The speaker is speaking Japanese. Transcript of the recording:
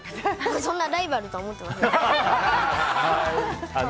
そんなライバルとは思ってません。